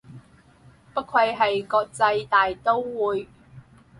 不愧係國際大刀會